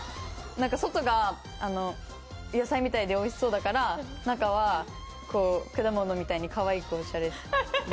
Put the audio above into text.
外が野菜みたいでおいしそうだから中は果物みたいにかわいくオシャレに。